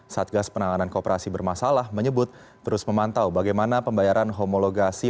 satgas penanganan kooperasi bermasalah menyebut terus memantau bagaimana pembayaran homologasi